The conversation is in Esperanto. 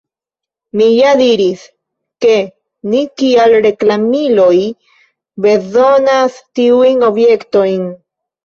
Mi ja diris, ke ni kiel reklamiloj bezonas tiujn objektojn.